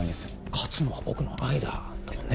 「勝つのは僕の愛だ」だもんね。